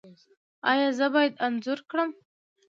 ایا زه باید انځور کړم؟